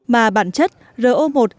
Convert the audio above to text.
mà bản chất ro một